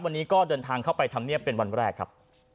วันนี้ก็เดินทางเข้าไปทำเนียบเป็นวันแรกครับ